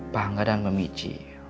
pak angga dan mbak michi